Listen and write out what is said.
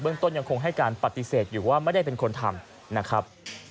ต้นยังคงให้การปฏิเสธอยู่ว่าไม่ได้เป็นคนทำนะครับ